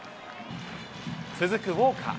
続くウォーカー。